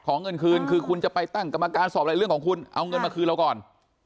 เงินคืนคือคุณจะไปตั้งกรรมการสอบอะไรเรื่องของคุณเอาเงินมาคืนเราก่อน